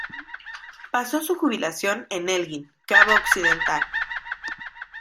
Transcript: Pasó su jubilación en Elgin, Cabo Occidental.